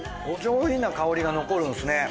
お上品な香りが残るんすね。